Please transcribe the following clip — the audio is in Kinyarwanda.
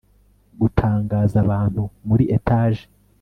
Gutangaza abantu muri etage